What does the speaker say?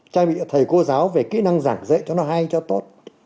trang bị thầy cô giáo về kỹ năng giảng dạy cho nó hay cho tốt